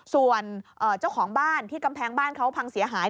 ส่วนเจ้าของบ้านที่กำแพงบ้านเขาพังเสียหาย